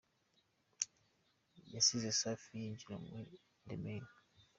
yasize Safi yinjiye muri The Mane.